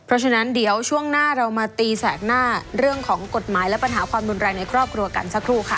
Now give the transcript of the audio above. เพราะฉะนั้นเดี๋ยวช่วงหน้าเรามาตีแสกหน้าเรื่องของกฎหมายและปัญหาความรุนแรงในครอบครัวกันสักครู่ค่ะ